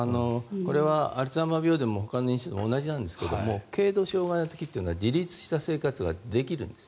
これはアルツハイマー病でもほかの認知症と同じなんですが軽度障害の時は自立した生活ができるんです。